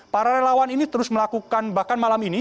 para relawan ini terus melakukan bahkan malam ini